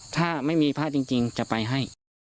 ถ้าไม่มีพระจริงจะไปให้